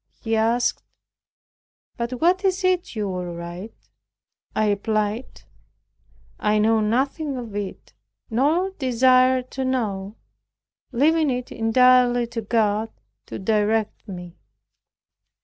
He asked, "But what is it you will write?" I replied, "I know nothing of it, nor desire to know, leaving it entirely to God to direct me."